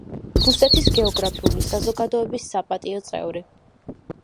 რუსეთის გეოგრაფიული საზოგადოების საპატიო წევრი.